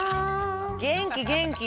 元気元気。